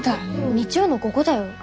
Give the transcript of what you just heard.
日曜の午後だよ？